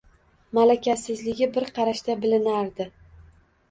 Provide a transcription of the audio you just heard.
Malakasizligi bir qarashda bilinardi.